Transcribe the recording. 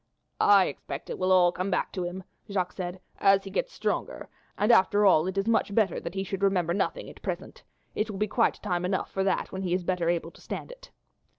"I expect it will all come back to him," Jacques said, "as he gets stronger; and after all it is much better that he should remember nothing at present. It will be quite time enough for that when he is better able to stand it."